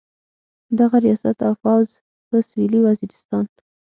دغه ریاست او فوځ په سویلي وزیرستان.